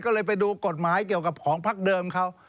ก็เลยไปดูกฎหมายเกี่ยวกับของพักเดิมเขา